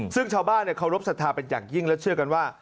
ซึ่งชาวบ้านเคารพสัทธาเป็นอย่างยิ่งและเชื่อกันว่า